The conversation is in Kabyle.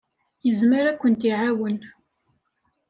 Yezmer ad kent-iɛawen.